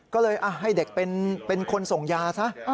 ก็เลยให้เด็กเป็นคนส่งยาซะ